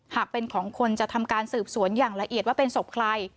หากเป็นของคนจะทำการสืบสวนอย่างละเอียดว่าเป็นศพใคร